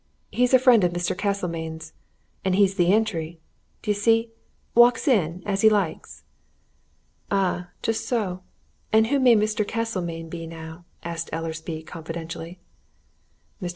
He's a friend of Mr. Castlemayne's, and he's the entry, d'ye see walks in as he likes." "Ah, just so and who may Mr. Castlemayne be, now?" asked Easleby confidentially. "Mr.